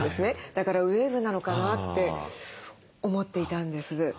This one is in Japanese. だからウエーブなのかなって思っていたんです。